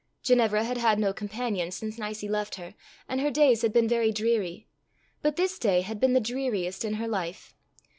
Ginevra had had no companion since Nicie left her, and her days had been very dreary, but this day had been the dreariest in her life.